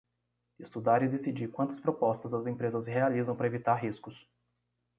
Estudar e decidir quantas propostas as empresas realizam para evitar riscos.